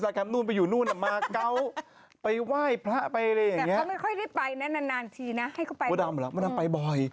เขาก็รู้เลยว่าเธอจะทำเป็นเทปเอาไว้